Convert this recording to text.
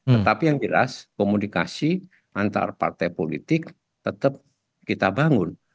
tetapi yang jelas komunikasi antar partai politik tetap kita bangun